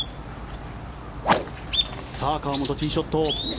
河本、ティーショット。